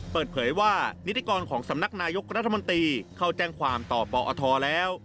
เปิดเผยว่านิติกรของสำนักนายกรัฐมนตรีเข้าแจ้งความต่อปอทแล้ว